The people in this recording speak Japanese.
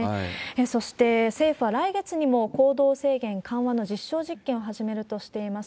そして、政府は来月にも行動制限緩和の実証実験を始めるとしています。